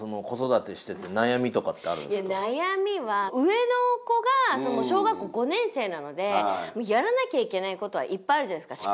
悩みは上の子が小学校５年生なのでやらなきゃいけないことはいっぱいあるじゃないですか。